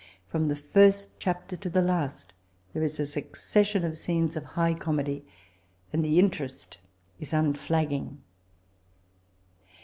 From the first chapter to the last there is a MLccession of scenes of high comedy, and the interest is nnfiagsing.